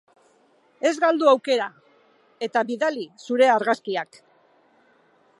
Ez galdu aukera, eta bidali zure argazkiak!